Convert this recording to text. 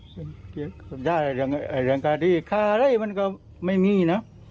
ส่วนใยไอ้แหลงกาฎีขาไร้มันก็ไม่มีนะ